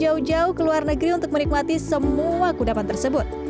jauh jauh ke luar negeri untuk menikmati semua kudapan tersebut